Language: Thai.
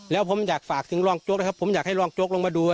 แล้วผมอยากฝากถึงร่องจ๊อกเพื่อนกรกลุ่มอยากให้โรงจ๊อกลงมาดู